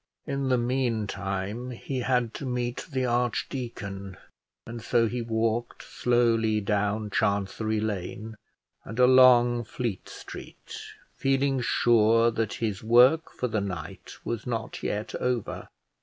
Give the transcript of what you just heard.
In the meantime he had to meet the archdeacon, and so he walked slowly down Chancery Lane and along Fleet Street, feeling sure that his work for the night was not yet over.